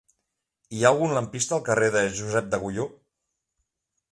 Hi ha algun lampista al carrer de Josep d'Agulló?